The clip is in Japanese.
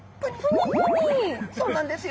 そうなんですよ。